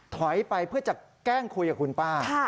ถอยไปเพื่อจะแกล้งคุยกับคุณป้า